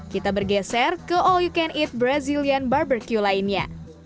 kita bergeser ke all you can eat brazilian barbecue lainnya